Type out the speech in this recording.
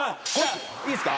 いいですか？